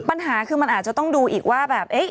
ปัญหาคือมันอาจจะต้องดูอีกว่าแบบ